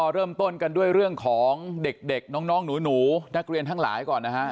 เริ่มต้นกันด้วยเรื่องของเด็กน้องหนูนักเรียนทั้งหลายก่อนนะฮะ